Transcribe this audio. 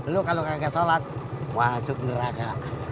lu kalau gak sholat masuk neraka